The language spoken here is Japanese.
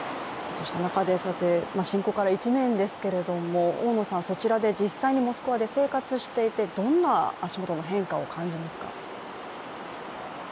侵攻から１年ですけれども、そちらで実際にモスクワで生活していてどんな足元の変化を感じますか？